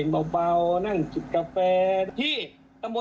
จะเห็นเลยครับผม